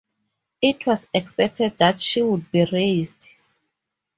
It was expected that she would be raised.